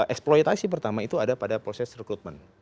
eksploitasi pertama itu ada pada proses rekrutmen